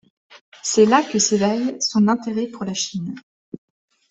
C'est là que s'éveille son intérêt pour la Chine.